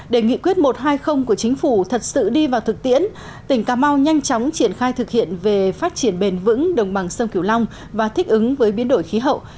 để nghị quyết một trăm hai mươi của chính phủ thật sự đi vào thực tiễn tỉnh cà mau nhanh chóng triển khai thực hiện về phát triển bền vững đồng bằng sông kiểu long và thích ứng với biến đổi khí hậu